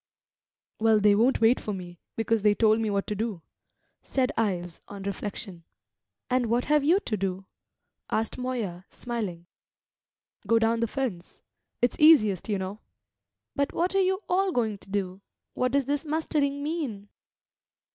"Well, they won't wait for me, because they told me what to do," said Ives on reflection. "And what have you to do?" asked Moya, smiling. "Go down the fence; it's easiest, you know." "But what are you all going to do? What does this mustering mean?"